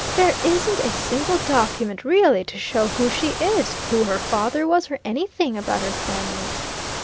There isn't a single document really to show who she is, who her father was, or anything about her family."